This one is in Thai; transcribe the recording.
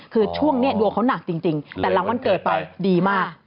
คือช่วงนี้ดวงเขาหนักจริงแต่หลังวันเกิดไปดีมาก